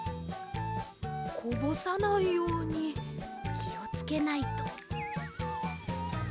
こぼさないようにきをつけないと。